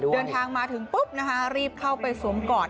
เดินทางมาถึงปุ๊บนะคะรีบเข้าไปสวมกอด